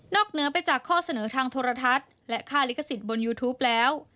เหนือไปจากข้อเสนอทางโทรทัศน์และค่าลิขสิทธิ์บนยูทูปแล้ว